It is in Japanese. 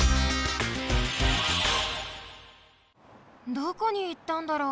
どこにいったんだろう